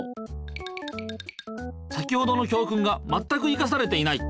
先ほどの教くんがまったくいかされていない。